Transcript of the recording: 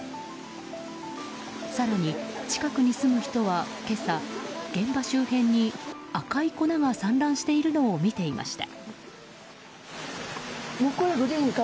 更に近くに住む人は今朝、現場周辺に赤い粉が散乱しているのを見ていました。